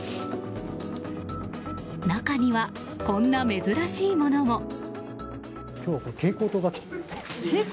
中にはこんな珍しいものも。